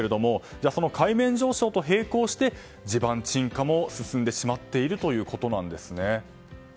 じゃあ海面上昇と並行して地盤沈下も進んでしまっているということなんですね。